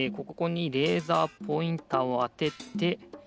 ここにレーザーポインターをあてて。